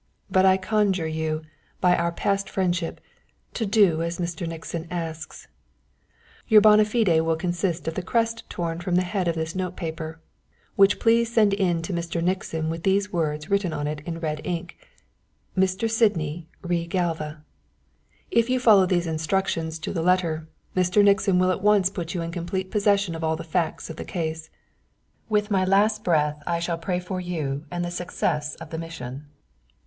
But I conjure you, by our past friendship, to do as Mr. Nixon asks._ "Your bonâ fide _will consist of the crest torn from the head of this notepaper, which please send in to Mr. Nixon with these words written on it in red ink _ 'MR. SYDNEY re GALVA' "_If you follow these instructions to the letter, Mr. Nixon will at once put you in complete possession of all the facts of the case._ "_With my last breath I shall pray for you and the success of the mission.